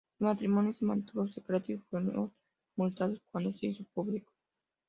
El matrimonio se mantuvo secreto y fueron multados cuando se hizo público.